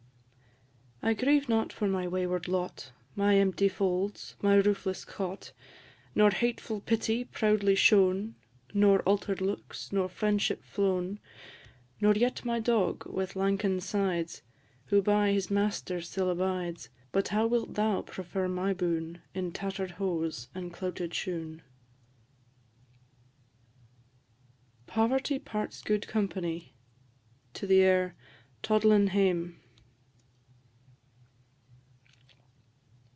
I grieve not for my wayward lot, My empty folds, my roofless cot; Nor hateful pity, proudly shown, Nor altered looks, nor friendship flown; Nor yet my dog, with lanken sides, Who by his master still abides; But how wilt thou prefer my boon, In tatter'd hose and clouted shoon? POVERTY PARTS GUDE COMPANIE. AIR _"Todlin' Hame."